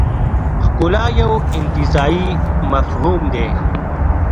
ښکلا یو انتزاعي مفهوم دی.